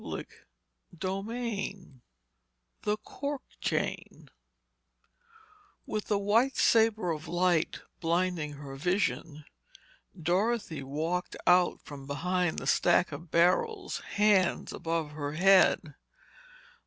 Chapter VIII THE CORK CHAIN With the white sabre of light blinding her vision, Dorothy walked out from behind the stack of barrels, hands above her head.